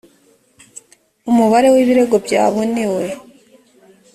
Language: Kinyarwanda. umubare w ibirego byabonewe